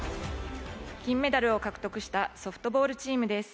金メダルを獲得したソフトボールチームです。